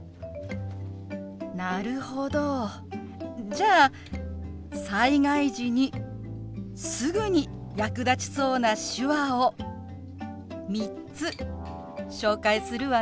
なるほどじゃあ災害時にすぐに役立ちそうな手話を３つ紹介するわね。